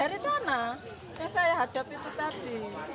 dari tanah yang saya hadap itu tadi